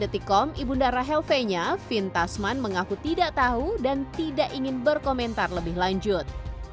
dari detikkom ibunda rachel fenya finn tasman mengaku tidak tahu dan tidak ingin berkomentar lebih lanjut